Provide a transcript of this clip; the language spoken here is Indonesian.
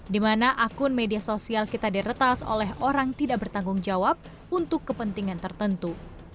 di mana akun media sosial kita diretas oleh orang tidak bertanggung jawab untuk kepentingan tertentu